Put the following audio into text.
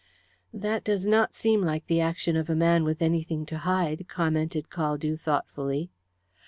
"That does not seem like the action of a man with anything to hide," commented Caldew thoughtfully.